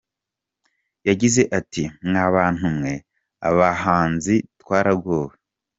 Yagize Ati “Mwa bantu mwe abahanzi twaragowe.